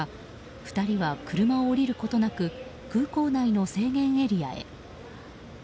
２人は車を降りることなく空港内の制限エリアへ。